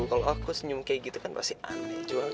kalau aku senyum kayak gitu kan pasti aneh